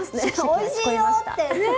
おいしいよって。